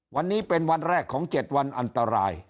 วันนี้เป็นวันแรกของ๗วันอันตราย